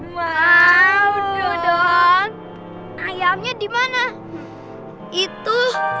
mau dong ayamnya dimana itu